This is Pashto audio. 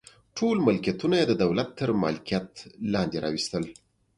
ټول ملکیتونه یې د دولت تر مالکیت لاندې راوستل.